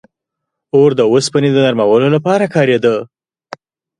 • اور د اوسپنې د نرمولو لپاره کارېده.